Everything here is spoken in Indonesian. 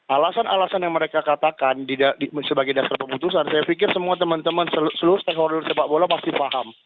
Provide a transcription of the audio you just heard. alasan alasan yang mereka katakan sebagai dasar keputusan saya pikir semua teman teman seluruh stakeholder sepak bola pasti paham